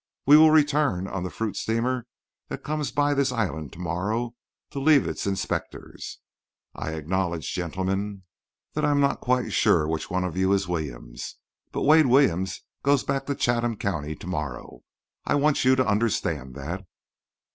We will return on the fruit steamer that comes back by this island to morrow to leave its inspectors. I acknowledge, gentlemen, that I'm not quite sure which one of you is Williams. But Wade Williams goes back to Chatham County to morrow. I want you to understand that."